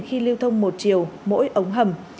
khi lưu thông một chiều mỗi ống hầm